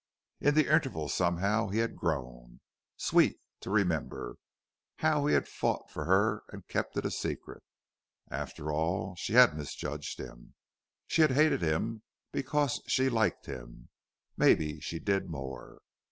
In the interval somehow he had grown. Sweet to remember how he had fought for her and kept it secret! After all, she had misjudged him. She had hated him because she liked him. Maybe she did more!